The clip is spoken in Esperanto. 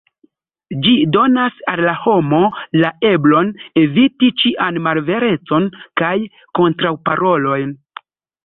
Ĝi donas al la homo la eblon eviti ĉian malverecon kaj kontraŭparolojn.